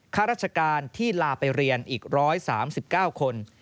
ข้าราชการที่ลาไปเรียนอีก๑๓๙คน